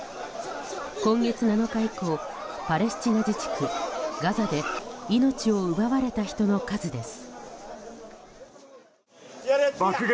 今月７日以降パレスチナ自治区ガザで命を奪われた人の数です。